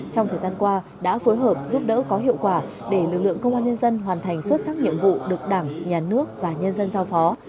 trong thời gian qua đã phối hợp giúp đỡ có hiệu quả để lực lượng công an nhân dân hoàn thành xuất sắc nhiệm vụ được đảng nhà nước và nhân dân giao phó